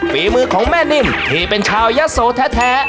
ฝีมือของแม่นิ่มที่เป็นชาวยะโสแท้